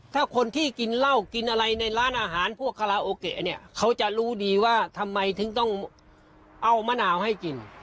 ถ้าคนที่กินเหล้ากินอะไรในร้านอาหารพวกคาราโอเกะเนี่ยเขาจะรู้ดีว่าทำไมถึงต้องเอามะนาวให้กิน